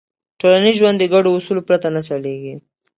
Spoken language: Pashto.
ټولنیز ژوند د ګډو اصولو پرته نه چلېږي.